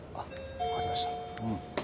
わかりました。